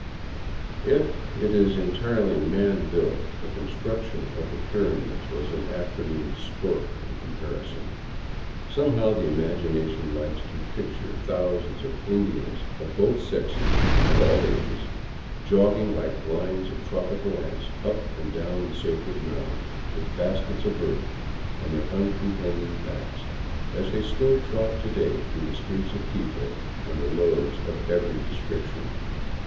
If it is entirely man built, the con struction of the pyramids was an afternoon sport in comparison. Sbmehow the imagination likes to picture thousands of Indians of both sexes and all ages jogging like lines of tropical ants up and down the sacred mound, with baskets of earth on their uncomplaining backs, as they still trot to day through the streets of Quito under loads of every description.